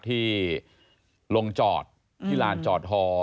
ที่ลงจอดที่ลานจอดฮอ